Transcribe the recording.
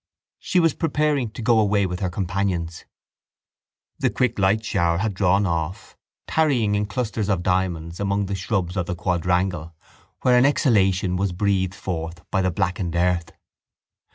She was preparing to go away with her companions. The quick light shower had drawn off, tarrying in clusters of diamonds among the shrubs of the quadrangle where an exhalation was breathed forth by the blackened earth.